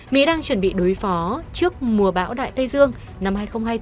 mỹ đang chuẩn bị đối phó trước mùa bão đại tây dương năm hai nghìn hai mươi bốn